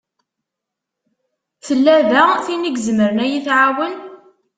Tella da tin i izemren ad yi-tɛawen?